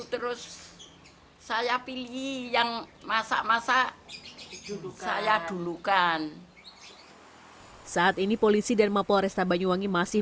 terus saya pilih yang masak masak saya dulukan saat ini polisi dan mapolrestabanyuwangi masih